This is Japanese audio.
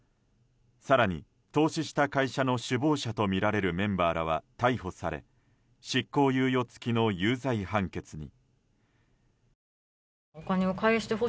更に、投資した会社の首謀者とみられるメンバーらは逮捕され執行猶予付きの有罪判決に。